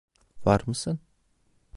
Var mısın?